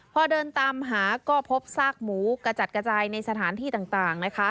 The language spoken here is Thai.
พอเดินตามหาก็พบซากหมูกระจัดกระจายในสถานที่ต่าง